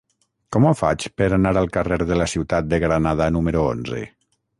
Com ho faig per anar al carrer de la Ciutat de Granada número onze?